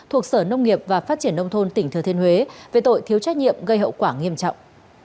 thuộc sở nông nghiệp và phát triển nông thôn tỉnh thừa thiên huế về tội thiếu trách nhiệm gây hậu quả nghiêm trọng